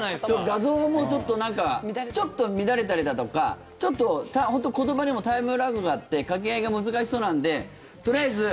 画像も、ちょっとなんかちょっと乱れたりだとかちょっと本当に言葉にもタイムラグがあって掛け合いが難しそうなんでとりあえず。